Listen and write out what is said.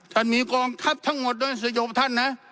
ท่านมีกองทัพทั้งหมดโดยสยบท่านนะ